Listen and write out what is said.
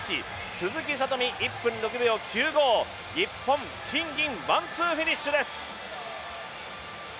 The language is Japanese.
鈴木聡美は１分６秒９５、日本金銀ワンツーフィニッシュです。